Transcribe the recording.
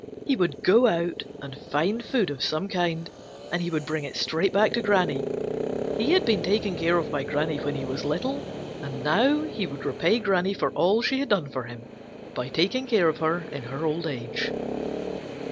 He would go out and find food of some kind, and he would bring it straight back to Granny. He had been taken care of by Granny when he was little, and now he would repay Granny for all she had done for him by taking care of her in her old age.